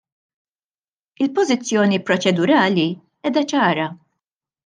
Il-pożizzjoni proċedurali qiegħda ċara.